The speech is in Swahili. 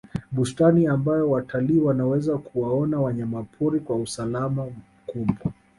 bustani ambayo watalii wanaweza kuwaona wanyamapori kwa usalama mkubwa